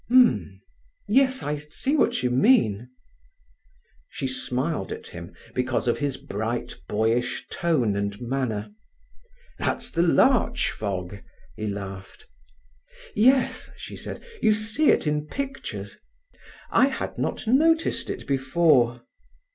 "H'm? Yes, I see what you mean." She smiled at him, because of his bright boyish tone and manner. "That's the larch fog," he laughed. "Yes," she said, "you see it in pictures. I had not noticed it before."